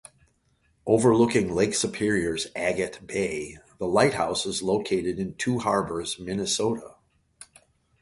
Overlooking Lake Superior's Agate Bay, the lighthouse is located in Two Harbors, Minnesota.